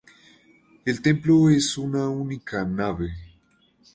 El templo es de una única nave.